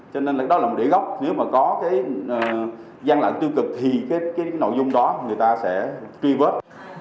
cho nên là đó là một đĩa gốc nếu mà có cái gian lạnh tiêu cực thì cái nội dung đó người ta sẽ truy vớt